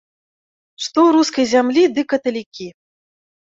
Што ў рускай зямлі ды каталікі!